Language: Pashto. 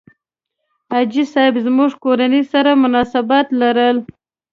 حاجي صاحب زموږ کورنۍ سره مناسبات لرل.